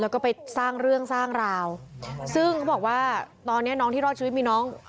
แล้วก็ไปสร้างเรื่องสร้างราวซึ่งเขาบอกว่าตอนนี้น้องที่รอดชีวิตมีน้อง